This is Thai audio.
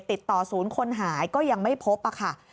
ติดต่อศูนย์คนหายก็ยังไม่พบค่ะ